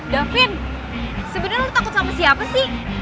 davin sebenernya lo takut sama siapa sih